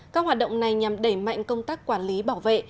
các hoạt động này nhằm đẩy mạnh công tác quản lý bảo vệ